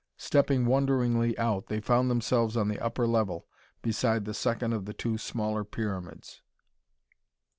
Stepping wonderingly out, they found themselves on the upper level, beside the second of the two smaller pyramids.